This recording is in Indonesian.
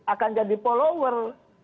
akan jadi follower